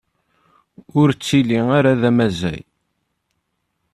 Ur ttili ara d amaẓay.